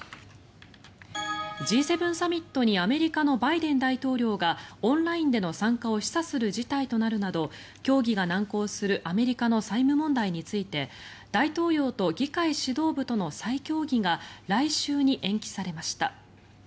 Ｇ７サミットにアメリカのバイデン大統領がオンラインでの参加を示唆する事態となるなど協議が難航するアメリカの債務問題について大統領と議会指導部との再協議が来週に延期されました。